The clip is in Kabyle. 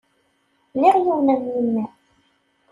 Liɣ yiwen n memmi.